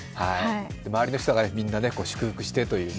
周りの人がみんな祝福してというね。